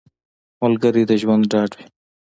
ملګری د ژوند ډاډ وي